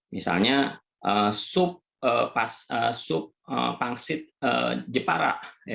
misalnya sup pangsit jepara